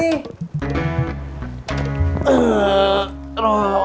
lihat dulu atukang